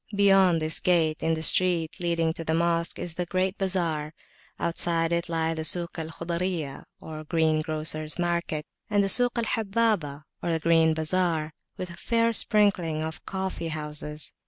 Beyond this gate, in the street leading to the Mosque, is the great bazar. Outside it lie the Suk al Khuzayriyah, or greengrocers' market, and the Suk al Habbabah, or the grain bazar, with a fair sprinkling of coffee houses.